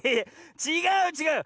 ちがうちがう！